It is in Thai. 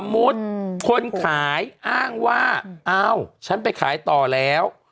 มุติคนขายอ้างว่าอ้าวฉันไปขายต่อแล้ว